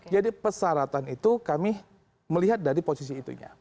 jadi peseratan itu kami melihat dari posisi itunya